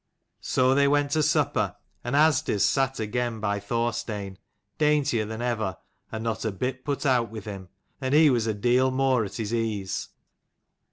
'* So they went to supper, and Asdis sat again by Thorstein, daintier than ever, and not a bit put out with him : and he was a deal more at his ease.